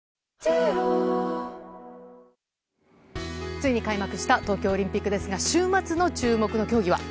ついに開幕した東京オリンピックですが週末の注目の競技は？